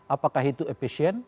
apakah itu efisien